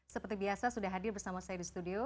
seperti biasa sudah hadir bersama saya di studio